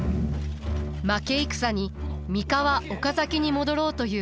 負け戦に三河岡崎に戻ろうという家臣たち。